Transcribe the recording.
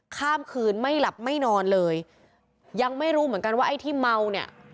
ข้ามคืนไม่หลับไม่นอนเลยยังไม่รู้เหมือนกันว่าไอ้ที่เมาเนี่ย